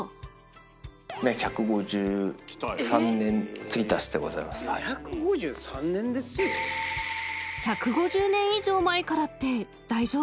［１５０年以上前からって大丈夫なんですか？］